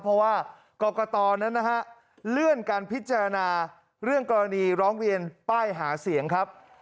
เพราะว่ากรกตนั้นนะฮะเลื่อนการพิจารณาเรื่องกรณีร้องเรียนป้ายหาเสียงครับ